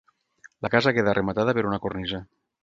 La casa queda rematada per una cornisa.